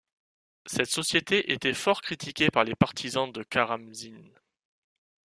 Cette société était fort critiquée par les partisans de Karamzine.